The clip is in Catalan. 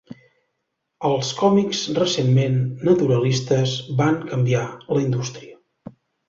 Els còmics recentment naturalistes van canviar la indústria.